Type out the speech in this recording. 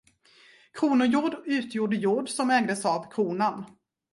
Kronojord utgjorde jord som ägdes av kronan.